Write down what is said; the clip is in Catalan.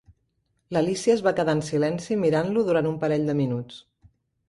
L'Alícia es va quedar en silenci mirant-lo durant un parell de minuts.